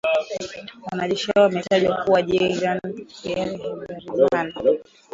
Wanajeshi hao wametajwa kuwa Jean Pierre Habyarimana